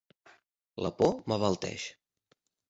La por m'abalteix.